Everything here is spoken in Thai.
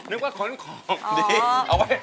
นึกว่าขนของดี